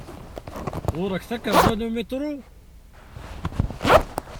Ɣur-k takarḍa n umitṛu?